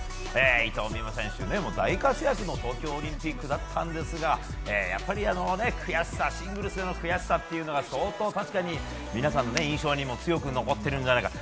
伊藤美誠選手、大活躍の東京オリンピックだったんですがやっぱりシングルスでの悔しさは確かに皆さんの印象にも強く残っているんじゃないかと。